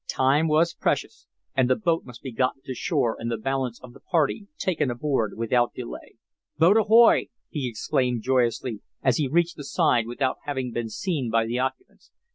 Time was precious, and the boat must be gotten to shore and the balance of the party taken aboard without delay. "Boat ahoy!" he exclaimed joyously, as he reached the side without having been seen by the occupants.